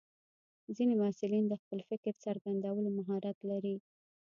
ځینې محصلین د خپل فکر څرګندولو مهارت لري.